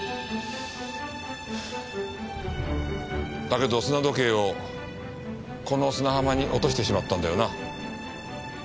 だけど砂時計をこの砂浜に落としてしまったんだよな？